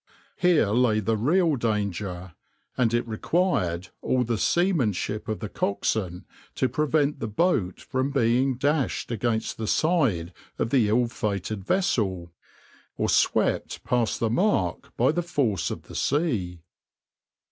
Here lay the real danger, and it required all the seamanship of the coxswain to prevent the boat from being dashed against the side of the ill fated vessel, or swept past the mark by the force of the sea.